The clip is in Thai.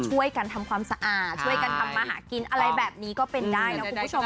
ช่วยกันทำความสะอาดช่วยกันทำมาหากินอะไรแบบนี้ก็เป็นได้นะคุณผู้ชม